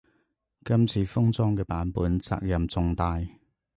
今次封裝嘅版本責任重大